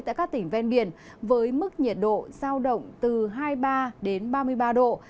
tại các tỉnh ven biển với mức nhiệt độ sao động từ hai mươi ba ba mươi ba độ